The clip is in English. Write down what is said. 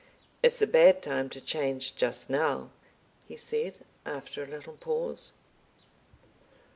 "It's a bad time to change just now," he said after a little pause.